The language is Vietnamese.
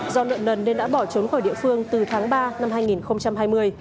do nợ nần nên đã bỏ trốn khỏi địa phương từ tháng ba năm hai nghìn hai mươi